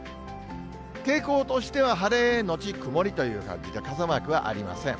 傾向としては晴れ後曇りという感じで傘マークはありません。